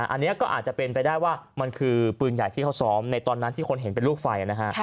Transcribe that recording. อันนี้ก็อาจจะเป็นไปได้ว่ามันคือปืนใหญ่ที่เขาซ้อมในตอนนั้นที่คนเห็นเป็นลูกไฟนะฮะ